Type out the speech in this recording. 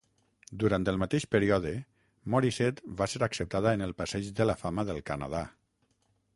Durant el mateix període, Morissette va ser acceptada en el Passeig de la fama del Canadà.